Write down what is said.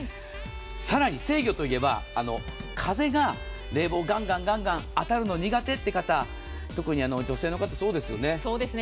更に制御といえば風が冷房がガンガン当たるのが苦手という方特に女性の方、そうですよね。